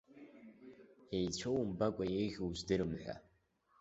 Еицәоу умбакәа, еиӷьу уздыруам ҳәа.